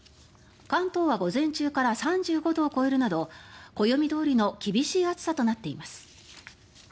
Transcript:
関東は午前中から３５度を超えるなど暦どおりの厳しい暑さとなっています。